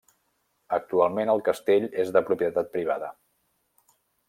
Actualment el castell és de propietat privada.